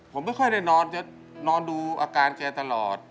ผมไม่ค่อยได้นอนจะนอนดูอาการแกตลอด